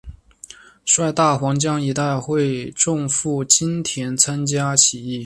率大湟江一带会众赴金田参加起义。